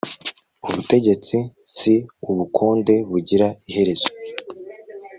ubutegetsi si ubukonde bugira iherezo